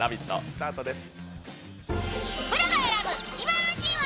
スタートです。